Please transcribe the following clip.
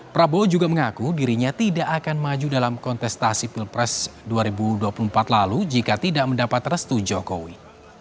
prabowo juga mengaku dirinya tidak akan maju dalam kontestasi pilpres dua ribu dua puluh empat lalu jika tidak mendapat restu jokowi